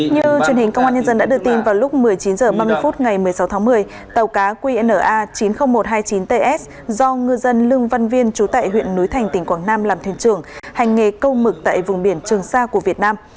như truyền hình công an nhân dân đã đưa tin vào lúc một mươi chín h ba mươi phút ngày một mươi sáu tháng một mươi tàu cá qna chín mươi nghìn một trăm hai mươi chín ts do ngư dân lương văn viên trú tại huyện núi thành tỉnh quảng nam làm thuyền trưởng hành nghề câu mực tại vùng biển trường sa của việt nam